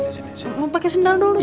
mau pakai sendal dulu